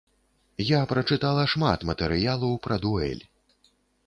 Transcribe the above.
Я прачытала шмат матэрыялу пра дуэль.